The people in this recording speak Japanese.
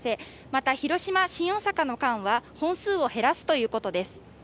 また広島−新大阪の間は本数を減らすということです。